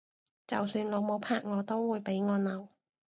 就算老母拍我都會俾我鬧！